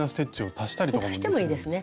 足してもいいですね。